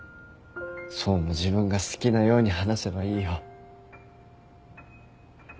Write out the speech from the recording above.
想も自分が好きなように話せばいいよ。